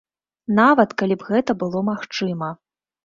Нават калі б гэта было магчыма.